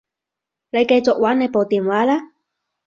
你繼續玩你部電話啦